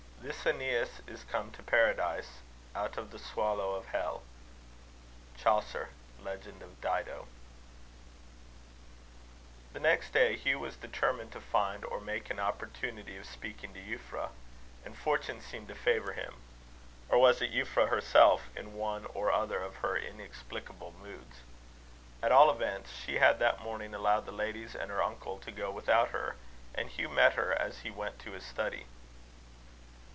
This Eneas is come to Paradise Out of the swolowe of Hell. CHAUCER. Legend of Dido. The next day, Hugh was determined to find or make an opportunity of speaking to Euphra; and fortune seemed to favour him. Or was it Euphra herself, in one or other of her inexplicable moods? At all events, she had that morning allowed the ladies and her uncle to go without her; and Hugh met her as he went to his study.